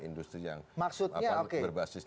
industri yang berbasis